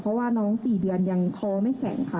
เพราะว่าน้อง๔เดือนยังคอไม่แข็งค่ะ